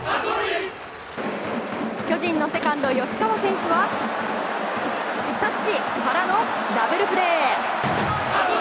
巨人のセカンド、吉川選手はタッチからのダブルプレー。